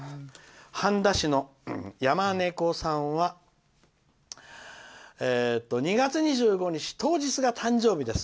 半田市のやまねこさんは「２月２５日、当日が誕生日です」。